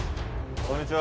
こんにちは。